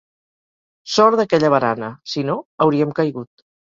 Sort d'aquella barana; si no, hauríem caigut.